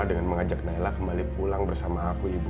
dengan mengajak naila kembali pulang bersama aku ibu